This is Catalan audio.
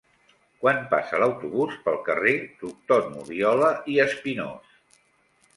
Quan passa l'autobús pel carrer Doctor Nubiola i Espinós?